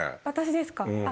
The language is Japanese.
私ですか？